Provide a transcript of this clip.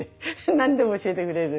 何でも教えてくれる。